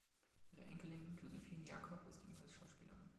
Ihre Enkelin Josephine Jacob ist ebenfalls Schauspielerin.